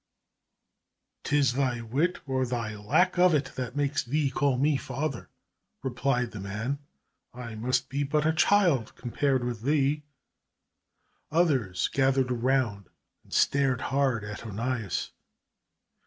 "'Tis thy wit, or thy lack of it, that makes thee call me father," replied the man. "I must be but a child compared with thee." Others gathered around and stared hard at Onias.